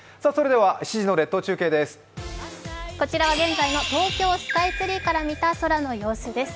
こちらは東京スカイツリーから見た空の様子です。